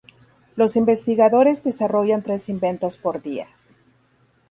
Los investigadores desarrollan tres inventos por día.